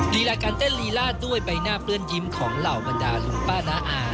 ลีลาการเต้นลีลาดด้วยใบหน้าเปื้อนยิ้มของเหล่าบรรดาลุงป้าน้าอา